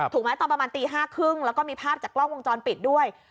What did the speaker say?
ตอนประมาณตี๕๓๐แล้วก็มีภาพจากกล้องวงจรปิดด้วย